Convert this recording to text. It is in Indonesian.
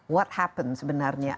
what happened sebenarnya